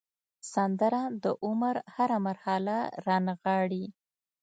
سندره د عمر هره مرحله رانغاړي